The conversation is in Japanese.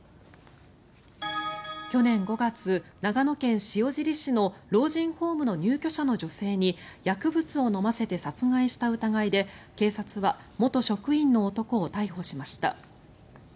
去年５月長野県塩尻市の老人ホームの入居者の女性に薬物を飲ませて殺害した疑いで警察は元職員の男を逮捕しました。